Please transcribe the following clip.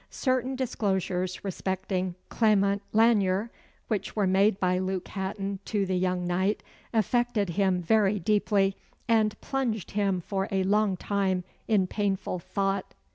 Certain disclosures respecting Clement Lanyere, which were made by Luke Hatton to the young knight, affected him very deeply, and plunged him for a long time in painful thought.